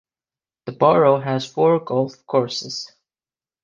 The borough has four golf courses.